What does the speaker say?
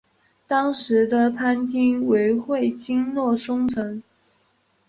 当时的藩厅为会津若松城。